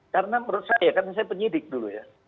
karena menurut saya karena saya penyidik dulu ya